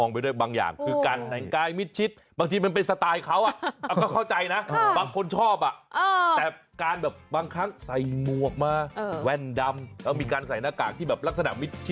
เพิ่งเปิดเองอะนะฮะเพิ่งเปิดครับโอ้โห